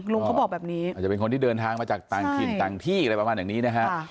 เขาบอกแบบนี้อาจจะเป็นคนที่เดินทางมาจากต่างถิ่นต่างที่อะไรประมาณอย่างนี้นะฮะ